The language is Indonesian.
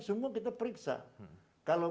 semua kita periksa kalau